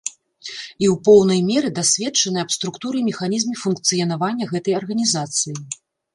І ў поўнай меры дасведчаны аб структуры і механізме функцыянавання гэтай арганізацыі.